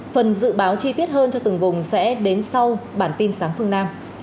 phần dự báo chi tiết hơn cho từng vùng sẽ đến sau bản tin sáng phương nam